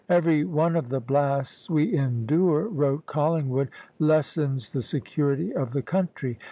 "Every one of the blasts we endure," wrote Collingwood, "lessens the security of the country.